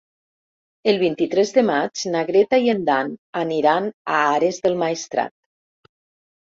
El vint-i-tres de maig na Greta i en Dan aniran a Ares del Maestrat.